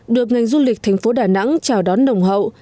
được ngành du lịch thành phố đà nẵng chào đón nồng hậu